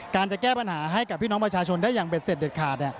จะแก้ปัญหาให้กับพี่น้องประชาชนได้อย่างเด็ดเสร็จเด็ดขาด